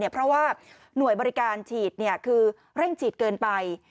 เพราะว่าหน่วยบริการฉีดคือเร่งฉีดเกินไป